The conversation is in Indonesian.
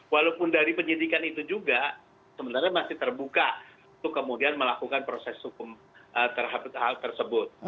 walaupun dari penyidikan itu juga sebenarnya masih terbuka untuk kemudian melakukan proses hukum terhadap hal tersebut